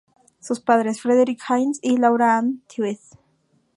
Sus padres Frederick Haines y Laura Ann Tweed.